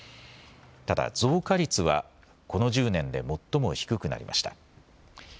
ただ増加率はこの１０年で最も低くなりました。